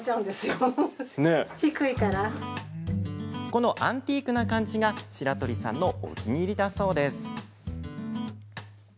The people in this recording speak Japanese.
このアンティークな感じが白鳥さんのお気に入りだそうです。